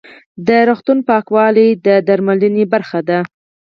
د روغتون پاکوالی د درملنې برخه ده.